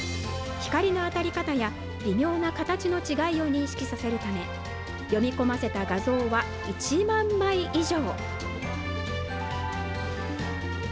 光の当たり方や、微妙な形の違いを認識させるため、読み込ませた画像は１万枚以上。